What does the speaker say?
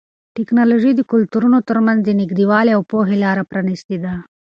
ټیکنالوژي د کلتورونو ترمنځ د نږدېوالي او پوهې لاره پرانیستې ده.